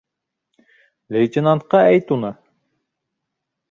— Лейтенантҡа әйт уны.